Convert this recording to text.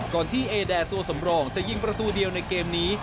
ก่อนที่เอแอร์ตัวสำรองจะยิงประตูเดียวในเกมนี้